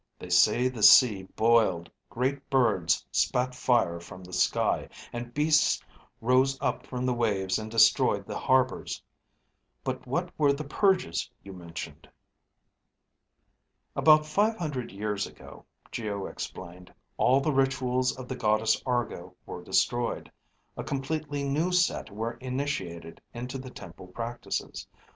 "They say the sea boiled, great birds spat fire from the sky, and beasts rose up from the waves and destroyed the harbors. But what were the purges you mentioned?" "About five hundred years ago," Geo explained, "all the rituals of the Goddess Argo were destroyed. A completely new set were initiated into the temple practices.